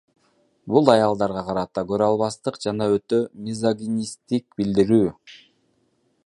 Бул аялдарга карата көрө албастык жана өтө мизогинисттик билдирүү.